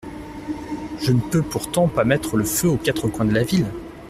Je ne peux pourtant pas mettre le feu aux quatre coins de la ville…